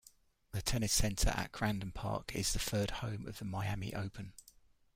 The Tennis Center at Crandon Park is the third home of the Miami Open.